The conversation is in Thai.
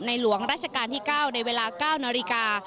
หลวงราชการที่๙ในเวลา๙นาฬิกา